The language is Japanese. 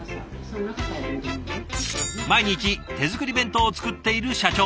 毎日手作り弁当を作っている社長